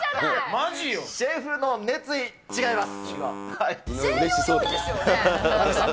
シェフの熱意、違います。